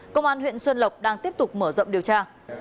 công an huyện xuân lộc đang tiếp tục mở rộng điều tra